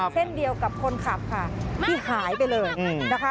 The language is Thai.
เช่นเดียวกับคนขับค่ะที่หายไปเลยนะคะ